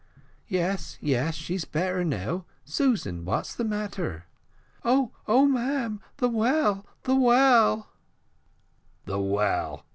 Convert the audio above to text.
"Yes, yes, she's better now. Susan, what's the matter?" "Oh, oh, ma'am! the well, the well " "The well!